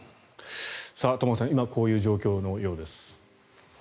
玉川さん、今こういう状況のようです。